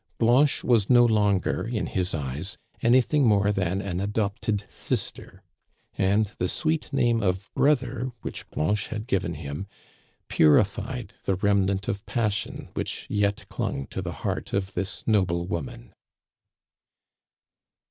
Blanche was no longer in his eyes anything more than an adopted sister; and the sweet name of brother, which Blanche had given him, purified the remnant of passion which yet clung to the heart of this noble woman.